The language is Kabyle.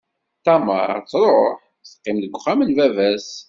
Tamar tṛuḥ, teqqim deg wexxam n baba-s.